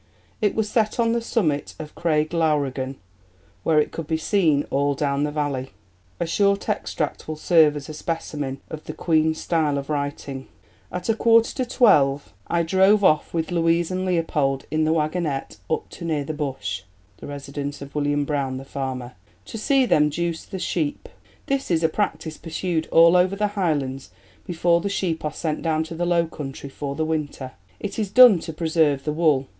It was set on the summit of Craig Lowrigan, where it could be seen all down the valley. A short extract will serve as a specimen of the Queen's style of writing: "At a quarter to twelve I drove off with Louise and Leopold in the waggonette up to near the 'Bush' (the residence of William Brown, the farmer) to see them 'juice the sheep.' This is a practice pursued all over the Highlands before the sheep are sent down to the low country for the winter. It is done to preserve the wool.